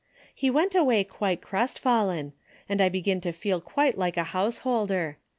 He went away quite crestfallen, and I began to feel quite like a householder.